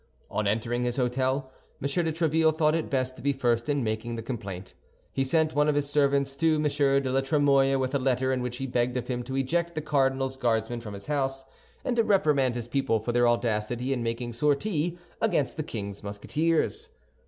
On entering his hôtel, M. de Tréville thought it best to be first in making the complaint. He sent one of his servants to M. de la Trémouille with a letter in which he begged of him to eject the cardinal's Guardsmen from his house, and to reprimand his people for their audacity in making sortie against the king's Musketeers.